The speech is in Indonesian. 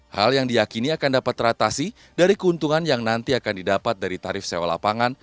hal yang diakini akan dapat teratasi dari keuntungan yang nanti akan didapat dari tarif sewa lapangan